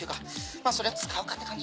まぁそりゃ使うかって感じ。